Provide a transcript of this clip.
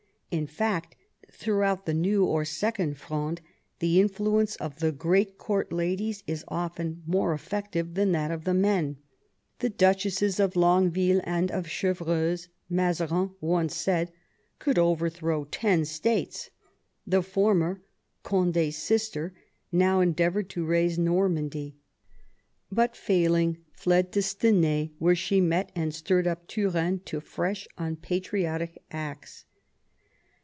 In fact, throughout the New or Second Fronde the influence of the great court ladies is often more effective than that of the men. The Duchesses of Longueville and of Chevreuse, Mazarin once said, could overthrow ten States. The former (Condi's sister) now endeavoured to raise Normandy ; but failing, fled to Stenay, where she met and stirred up Turenne to fresh unpatriotic acts.